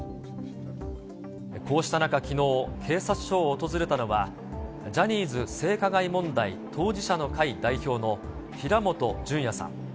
こうした中きのう、警察署を訪れたのは、ジャニーズ性加害問題当事者の会代表の平本淳也さん。